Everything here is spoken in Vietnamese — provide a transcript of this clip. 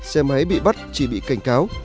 xe máy bị bắt chỉ bị cảnh cáo